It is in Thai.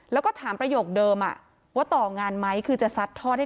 แล้วก็ถามประโยคเดิมว่าต่องานไหมคือจะซัดทอดให้